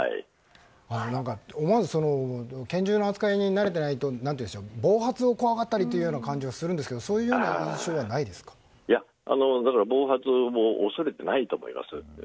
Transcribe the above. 思わず拳銃の扱いに慣れていないと暴発を怖がったりというような感じはするんですが暴発も恐れてないと思います。